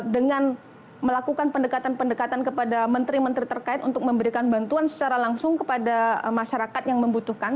dengan melakukan pendekatan pendekatan kepada menteri menteri terkait untuk memberikan bantuan secara langsung kepada masyarakat yang membutuhkan